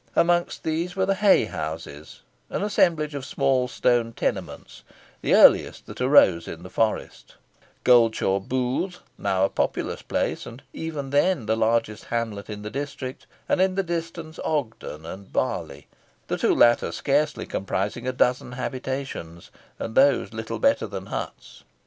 Amongst these were the Hey houses, an assemblage of small stone tenements, the earliest that arose in the forest; Goldshaw Booth, now a populous place, and even then the largest hamlet in the district; and in the distance Ogden and Barley, the two latter scarcely comprising a dozen habitations, and those little better than huts.